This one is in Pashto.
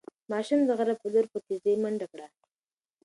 ماشوم د غره په لور په تېزۍ منډه کړه.